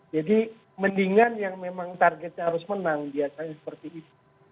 jadi mendingan yang memang targetnya harus menang biasanya seperti itu